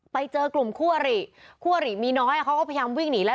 ไปเจอกลุ่มคู่อริคู่อริมีน้อยเขาก็พยายามวิ่งหนีแล้ว